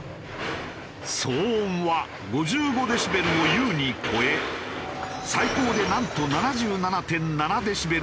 騒音は５５デシベルを優に超え最高でなんと７７．７デシベルを記録。